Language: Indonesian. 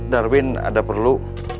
darwin ada perlu